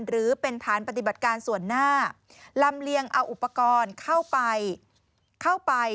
หรือเป็นฐานปฏิบัติการส่วนหน้าลำเลียงเอาอุปกรณ์เข้าไปเข้าไป